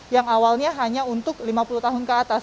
yang awalnya hanya untuk lima puluh tahun ke atas